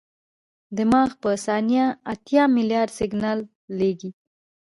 دماغ په ثانیه اتیا ملیارده سیګنال لېږي.